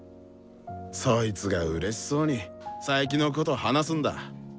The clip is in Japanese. そいつがうれしそうに佐伯のこと話すんだ。